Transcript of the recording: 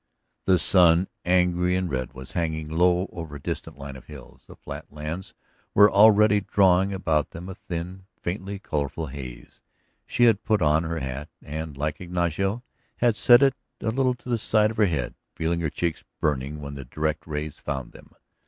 The sun, angry and red, was hanging low over a distant line of hills, the flat lands were already drawing about them a thin, faintly colorful haze. She had put on her hat and, like Ignacio, had set it a little to the side of her head, feeling her cheeks burning when the direct rays found them.